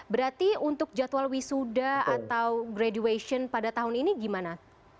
berarti untuk jadwal wisuda atau graduation pada tahun ini gimana